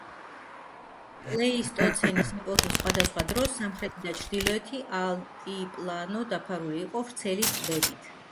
პლეისტოცენის ეპოქის სხვადასხვა დროს, სამხრეთი და ჩრდილოეთი ალტიპლანო დაფარული იყო ვრცელი ტბებით.